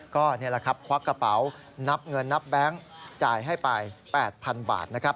ก็นี่แหละครับควักกระเป๋านับเงินนับแบงค์จ่ายให้ไป๘๐๐๐บาทนะครับ